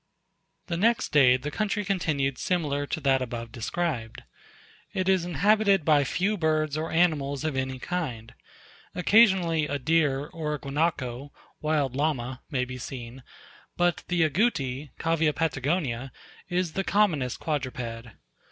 The next day the country continued similar to that above described. It is inhabited by few birds or animals of any kind. Occasionally a deer, or a Guanaco (wild Llama) may be seen; but the Agouti (Cavia Patagonica) is the commonest quadruped.